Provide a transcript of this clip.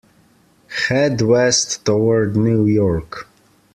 Head west toward New York.